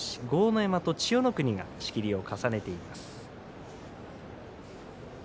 山と千代の国が仕切りを重ねています。